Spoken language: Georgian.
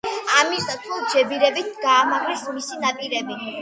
ამის ნაცვლად, ჯებირებით გაამაგრეს მისი ნაპირები.